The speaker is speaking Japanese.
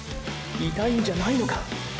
痛いんじゃないのか？